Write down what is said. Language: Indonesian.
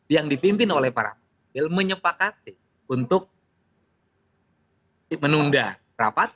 yang dipimpin oleh para wakil menyepakati untuk menunda rapat